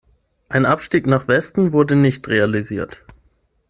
Ein Abstieg nach Westen wurde nicht realisiert.